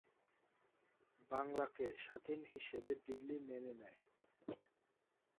বাংলাকে স্বাধীন হিসেবে দিল্লির মেনে নেয়।